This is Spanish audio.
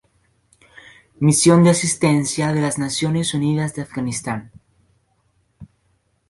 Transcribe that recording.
Misión de Asistencia de las Naciones Unidas en Afganistán